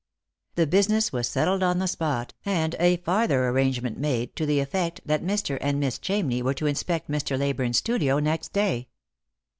The business was settled on the spot, and a farther arrange ment made, to the effect that Mr. and Miss Chamney were to inspect Mr. Levburne's studio next day.